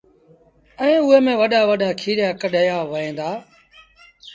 ائيٚݩ اُئي ميݩ وڏآ وڏآ ڪيٚريآ ڪڍيآ وهيݩ دآ